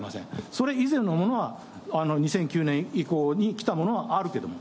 それ以前のものは、２００９年以降にきたものはあると思う。